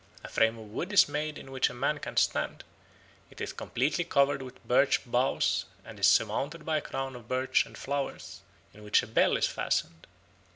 A frame of wood is made in which a man can stand; it is completely covered with birch boughs and is surmounted by a crown of birch and flowers, in which a bell is fastened.